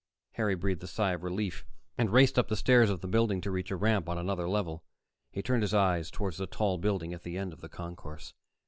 Harry breathed a sigh of relief and raced up the stairs of the building to reach a ramp on another level. He turned his eyes toward the tall building at the end of the concourse.